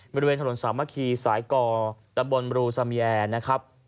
บริเวณถนนสามัคคีสายก่อตำบลบรูซาเมียนะครับ